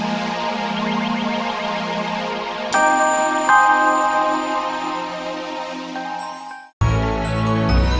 masuklah ke hutan ini